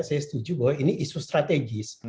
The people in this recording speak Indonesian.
saya setuju bahwa ini isu strategis